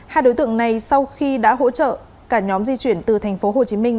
hai đối tượng này sau khi đã hỗ trợ cả nhóm di chuyển từ thành phố hồ chí minh